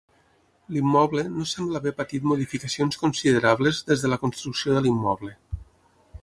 L'immoble no sembla haver patit modificacions considerables des de la construcció de l'immoble.